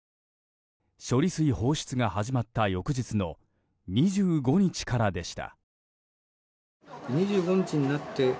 処理水放出が始まった翌日の２５日からでした。